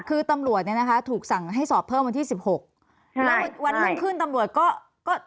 คือตำรวจเนี่ยนะคะถูกสั่งให้สอบเพิ่มวันที่สิบหกแล้ววันรุ่งขึ้นตำรวจก็ก็